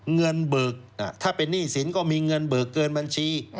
เบิกถ้าเป็นหนี้สินก็มีเงินเบิกเกินบัญชี